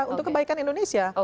untuk kebaikan indonesia